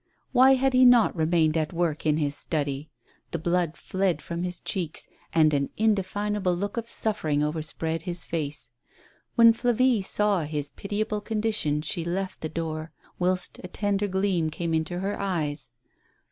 Why had he not remained at work in his study? The blood fled from his cheeks, and an indefinable look TREACHERY. 105 of suffering overspread liis face. When Flavie saw his pitiable condition she left the door, whilst a tender gleam came into her eyes.